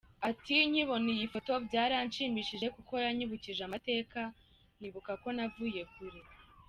Ati “Nkibona iyi foto byaranshimishije kuko yanyibukije amateka nkibuka ko navuye kure.”